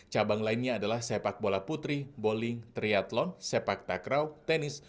cabang lainnya adalah sepak bola putri bowling triathlon sepak takraw tenis